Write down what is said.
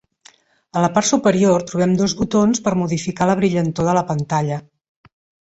A la part superior trobem dos botons per modificar la brillantor de la pantalla.